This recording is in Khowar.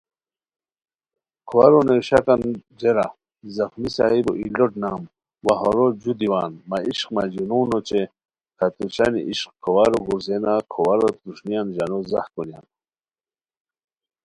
کھوارو نیویشاکان جیرا ذخمیؔ صاحبو ای لوٹ نام وا ہورو جُو دیوان "مہ عشق مہ جنون" اوچے "کھتورشنی عشق" کھوارو گُرزینہ کھوارو تھروݰنیان ژانو ځاہ کونیان